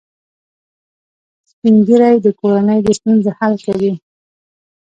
سپین ږیری د کورنۍ د ستونزو حل کوي